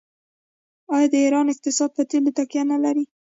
آیا د ایران اقتصاد په تیلو تکیه نلري؟